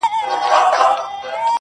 چي څونه به لا ګرځي سرګردانه په کوڅو کي!!